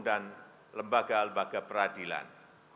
dan lembaga lembaga peradilan